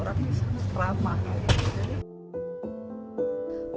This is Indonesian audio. orangnya sangat ramah